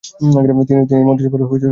তিনি এই মন্ত্রিসভার বিরোধিতা করেন।